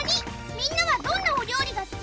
みんなはどんなお料理が好き？